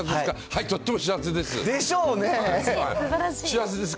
はい、とっても幸せです。